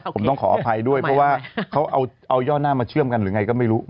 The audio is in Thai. ผมต้องขออภัยด้วยเพราะว่าเขาเอาย่อหน้ามาเชื่อมกันหรือไงก็ไม่รู้